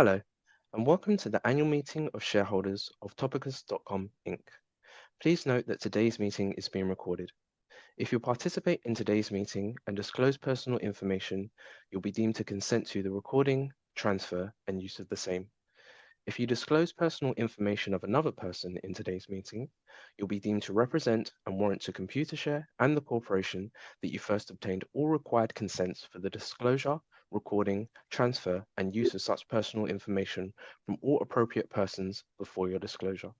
Hello, and welcome to the annual meeting of shareholders of Topicus.com Inc. Please note that today's meeting is being recorded. If you participate in today's meeting and disclose personal information, you'll be deemed to consent to the recording, transfer, and use of the same. If you disclose personal information of another person in today's meeting, you'll be deemed to represent and warrant to Computershare and the corporation that you first obtained all required consents for the disclosure, recording, transfer, and use of such personal information from all appropriate persons before your disclosure.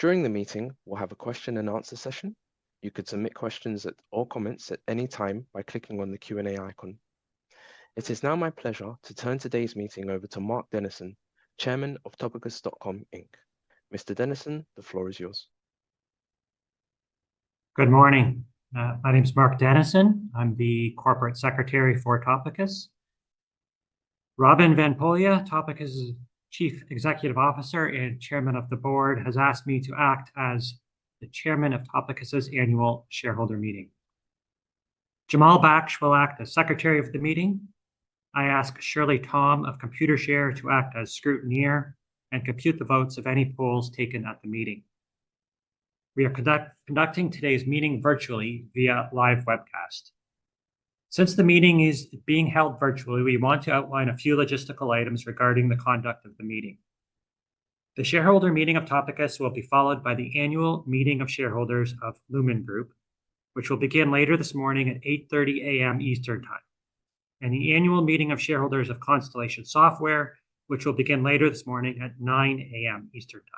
During the meeting, we'll have a question-and-answer session. You could submit questions or comments at any time by clicking on the Q&A icon. It is now my pleasure to turn today's meeting over to Mark Dennison, Chairman of Topicus.com Inc. Mr. Dennison, the floor is yours. Good morning. My name's Mark Dennison. I'm the Corporate Secretary for Topicus. Robin van Poelje, Topicus's Chief Executive Officer and Chairman of the Board, has asked me to act as the Chairman of Topicus's annual shareholder meeting. Jamal Baksh will act as Secretary of the meeting. I ask Shirley Tom of Computershare to act as scrutineer and compute the votes of any polls taken at the meeting. We are conducting today's meeting virtually via live webcast. Since the meeting is being held virtually, we want to outline a few logistical items regarding the conduct of the meeting. The shareholder meeting of Topicus will be followed by the annual meeting of shareholders of Lumine Group, which will begin later this morning at 8:30AM EST, and the annual meeting of shareholders of Constellation Software, which will begin later this morning at 9:00AM EST.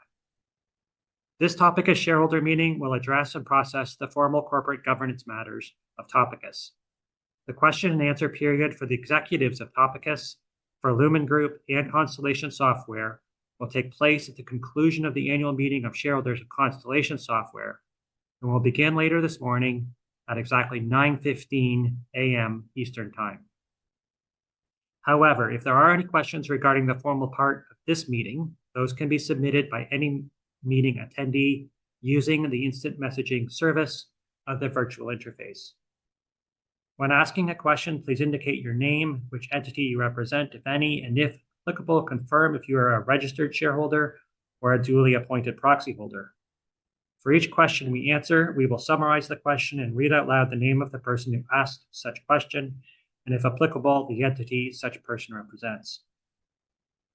This Topicus shareholder meeting will address and process the formal corporate governance matters of Topicus. The question-and-answer period for the executives of Topicus, for Lumine Group, and Constellation Software will take place at the conclusion of the annual meeting of shareholders of Constellation Software and will begin later this morning at exactly 9:15AM EST. However, if there are any questions regarding the formal part of this meeting, those can be submitted by any meeting attendee using the instant messaging service of the virtual interface. When asking a question, please indicate your name, which entity you represent, if any, and if applicable, confirm if you are a registered shareholder or a duly appointed proxy holder. For each question we answer, we will summarize the question and read out loud the name of the person who asked such question and, if applicable, the entity such person represents.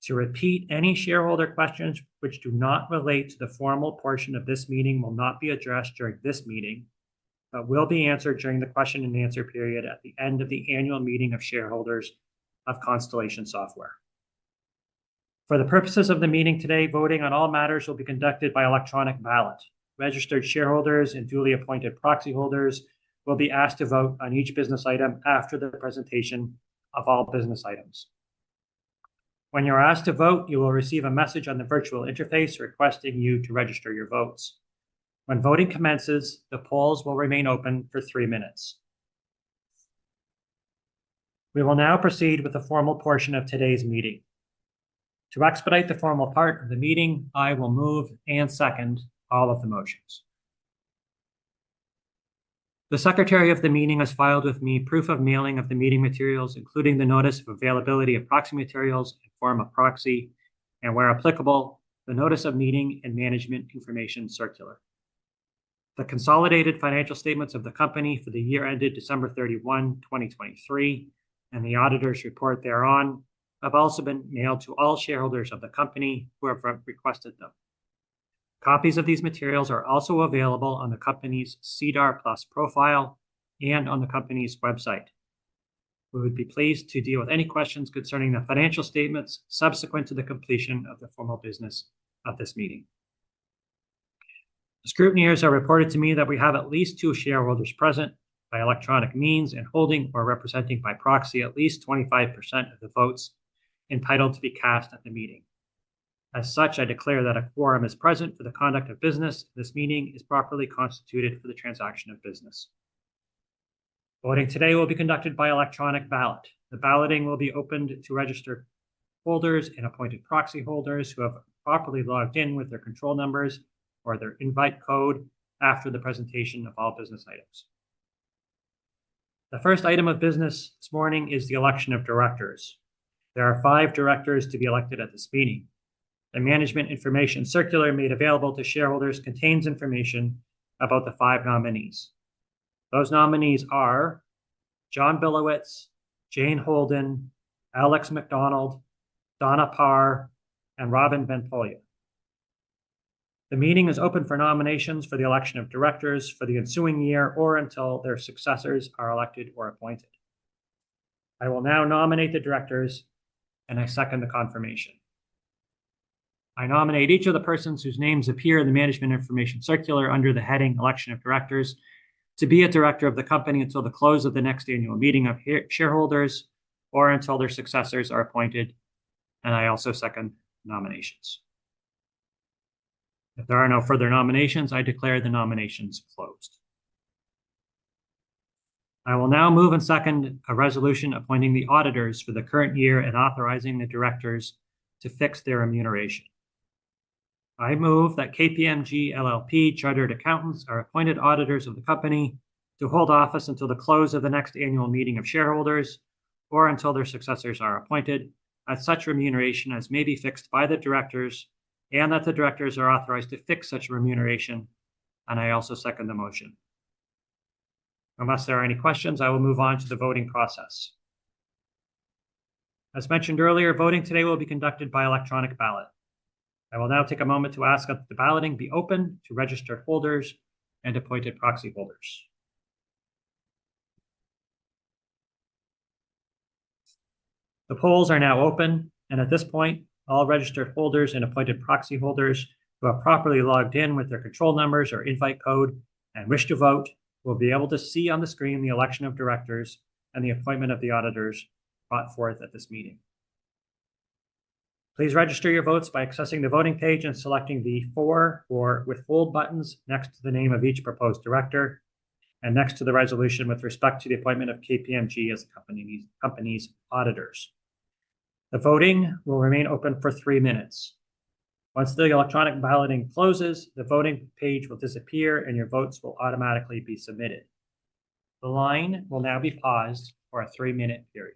To repeat, any shareholder questions which do not relate to the formal portion of this meeting will not be addressed during this meeting but will be answered during the question-and-answer period at the end of the annual meeting of shareholders of Constellation Software. For the purposes of the meeting today, voting on all matters will be conducted by electronic ballot. Registered shareholders and duly appointed proxy holders will be asked to vote on each business item after the presentation of all business items. When you're asked to vote, you will receive a message on the virtual interface requesting you to register your votes. When voting commences, the polls will remain open for three minutes. We will now proceed with the formal portion of today's meeting. To expedite the formal part of the meeting, I will move and second all of the motions. The Secretary of the meeting has filed with me proof of mailing of the meeting materials, including the notice of availability of proxy materials in form of proxy and, where applicable, the notice of meeting and Management Information Circular. The consolidated financial statements of the company for the year ended 31 December 2023, and the auditor's report thereon have also been mailed to all shareholders of the company who have requested them. Copies of these materials are also available on the company's SEDAR+ profile and on the company's website. We would be pleased to deal with any questions concerning the financial statements subsequent to the completion of the formal business of this meeting. The scrutineers have reported to me that we have at least two shareholders present by electronic means and holding or representing by proxy at least 25% of the votes entitled to be cast at the meeting. As such, I declare that a quorum is present for the conduct of business and this meeting is properly constituted for the transaction of business. Voting today will be conducted by electronic ballot. The balloting will be opened to registered holders and appointed proxy holders who have properly logged in with their control numbers or their invite code after the presentation of all business items. The first item of business this morning is the election of directors. There are five directors to be elected at this meeting. The management information circular made available to shareholders contains information about the five nominees. Those nominees are John Billowits, Jane Holden, Alex Macdonald, Donna Parr, and Robin van Poelje. The meeting is open for nominations for the election of directors for the ensuing year or until their successors are elected or appointed. I will now nominate the directors and I second the confirmation. I nominate each of the persons whose names appear in the Management Information Circular under the heading "Election of Directors" to be a director of the company until the close of the next annual meeting of shareholders or until their successors are appointed, and I also second nominations. If there are no further nominations, I declare the nominations closed. I will now move and second a resolution appointing the auditors for the current year and authorizing the directors to fix their remuneration. I move that KPMG LLP Chartered Accountants are appointed auditors of the company to hold office until the close of the next annual meeting of shareholders or until their successors are appointed, at such remuneration as may be fixed by the directors and that the directors are authorized to fix such remuneration, and I also second the motion. Unless there are any questions, I will move on to the voting process. As mentioned earlier, voting today will be conducted by electronic ballot. I will now take a moment to ask that the balloting be open to registered holders and appointed proxy holders. The polls are now open, and at this point, all registered holders and appointed proxy holders who have properly logged in with their control numbers or invite code and wish to vote will be able to see on the screen the election of directors and the appointment of the auditors brought forth at this meeting. Please register your votes by accessing the voting page and selecting the "For" or "Withhold" buttons next to the name of each proposed director and next to the resolution with respect to the appointment of KPMG as the company's auditors. The voting will remain open for three minutes. Once the electronic balloting closes, the voting page will disappear and your votes will automatically be submitted. The line will now be paused for a three-minute period.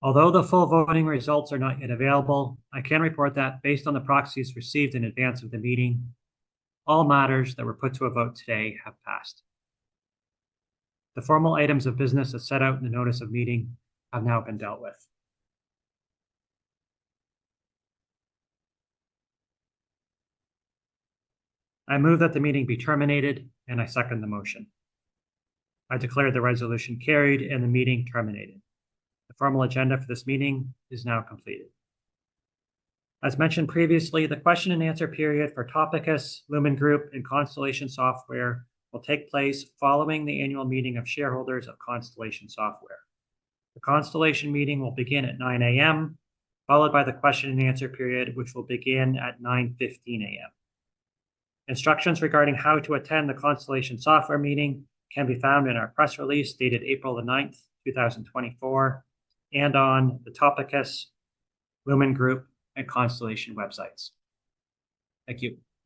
Although the full voting results are not yet available, I can report that based on the proxies received in advance of the meeting, all matters that were put to a vote today have passed. The formal items of business as set out in the notice of meeting have now been dealt with. I move that the meeting be terminated and I second the motion. I declare the resolution carried and the meeting terminated. The formal agenda for this meeting is now completed. As mentioned previously, the question-and-answer period for Topicus, Lumine Group, and Constellation Software will take place following the annual meeting of shareholders of Constellation Software. The Constellation meeting will begin at 9:00AM, followed by the question-and-answer period, which will begin at 9:15AM. Instructions regarding how to attend the Constellation Software meeting can be found in our press release dated 9 April 2024, and on the Topicus, Lumine Group, and Constellation websites. Thank you.